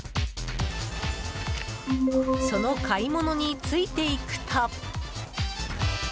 その買い物についていくと。